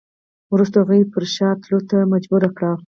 وروسته هغوی پر شا تللو ته مجبور کړ.